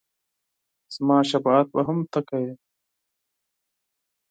زما شفاعت به هم ته کوې !